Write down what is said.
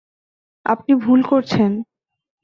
আপনি ভুল করছেন!